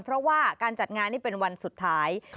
เพราะว่าการจัดงานนี่เป็นวันสุดท้าย